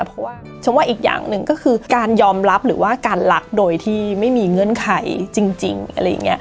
เพราะว่าฉันว่าอีกอย่างหนึ่งก็คือการยอมรับหรือว่าการรักโดยที่ไม่มีเงื่อนไขจริงอะไรอย่างนี้